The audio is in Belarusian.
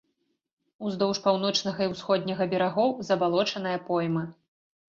Уздоўж паўночнага і ўсходняга берагоў забалочаная пойма.